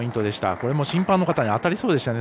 これも審判の方に当たりそうでしたね。